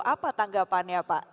apa tanggapannya pak